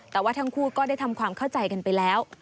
แต่ว่าทั้งคู่ก็ได้ทำความเข้าใจกันไปแล้ว